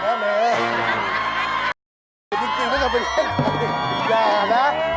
ไม่มีจะมองหน้าเลยเต็มน่ะมี่